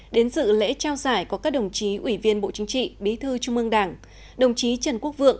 đến dự lễ trao giải có các đồng chí ủy viên bộ chính trị bí thư trung ương đảng đồng chí trần quốc vượng